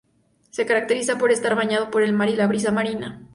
Se caracteriza por estar bañado por el mar y la brisa marina.